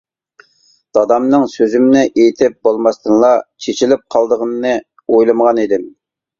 دادامنىڭ سۆزۈمنى ئېيتىپ بولماستىنلا، چېچىلىپ قالىدىغىنىنى ئويلىمىغان ئىدىم.